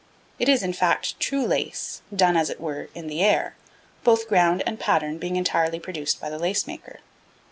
It is, in fact, true lace, done, as it were, 'in the air,' both ground and pattern being entirely produced by the lace maker.